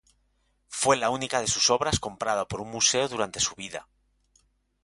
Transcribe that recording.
Fue la única de sus obras comprada por un museo durante su vida.